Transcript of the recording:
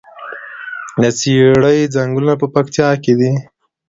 د څیړۍ ځنګلونه په پکتیا کې دي؟